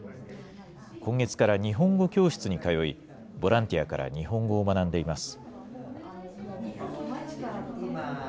今月から日本語教室に通い、ボランティアから日本語を学んでいます。